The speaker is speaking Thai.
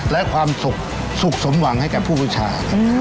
และความสุขสมหวังให้กับผู้บูชา